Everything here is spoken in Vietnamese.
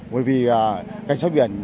bởi vì cảnh sát biển